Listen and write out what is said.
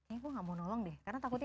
ini gue gak mau nolong deh karena takutnya